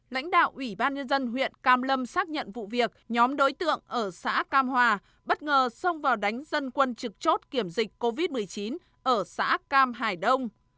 lãnh đạo ủy ban nhân dân huyện cam lâm xác nhận vụ việc nhóm đối tượng ở xã cam hòa bất ngờ xông vào đánh dân quân trực chốt kiểm dịch covid một mươi chín ở xã cam hải đông